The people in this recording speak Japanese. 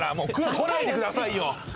来ないでくださいよ！